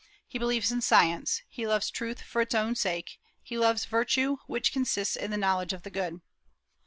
He believes in science; he loves truth for its own sake; he loves virtue, which consists in the knowledge of the good.